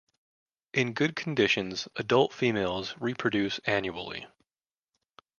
In good conditions, adult females reproduce annually.